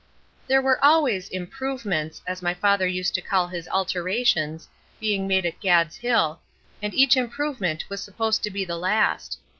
There were always "improvements"—as my father used to call his alterations—being made at "Gad's Hill," and each improvement was supposed to be the last.